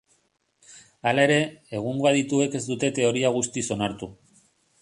Hala ere, egungo adituek ez dute teoria guztiz onartu.